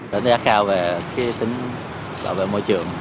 đánh giá cao về tính bảo vệ môi trường